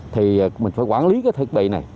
thì mình phải quản lý cái thiết bị này